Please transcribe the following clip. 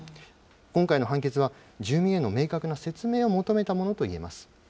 今回の判決は、住民への明確な説明を求めたものといえます。